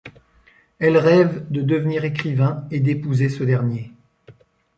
Elle rêve de devenir écrivain et d'épouser ce dernier.